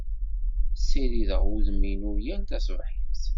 Ssirideɣ udem-inu yal taṣebḥit.